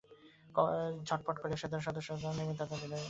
ঝটপট কয়েকজন সেনাসদস্য যান থেকে নেমে তাঁদের দিকে রাইফেল তাক করলেন।